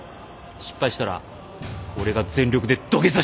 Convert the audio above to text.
失敗したら俺が全力で土下座してやる。